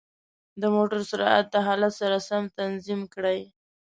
د موټرو سرعت د حالت سره سم تنظیم کړئ.